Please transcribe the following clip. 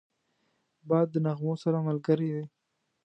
باد د نغمو سره ملګری دی